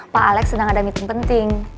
pak alex sedang ada meeting penting